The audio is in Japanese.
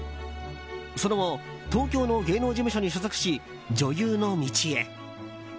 その後、東京の芸能事務所に所属し、女優の道へ。